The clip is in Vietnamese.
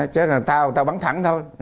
chứ là tao bắn thẳng thôi